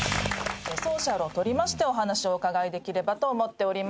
ソーシャルを取りましてお話をお伺いできればと思っております。